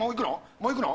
もういくの？